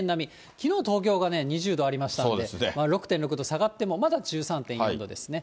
きのう、東京がね、２０度ありましたので、６．６度下がっても、まだ１３．４度ですね。